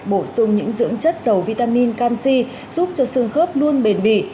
bổ sung những dưỡng chất dầu vitamin canxi giúp cho xương khớp luôn bền bỉ